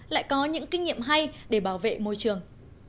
lại có những kinh nghiệm hay để bảo vệ môi trường